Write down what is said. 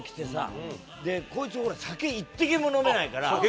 こいつほら酒一滴も飲めないから。